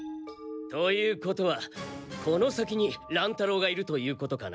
ということはこの先に乱太郎がいるということかな？